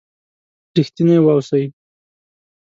رښتيني و اوسئ!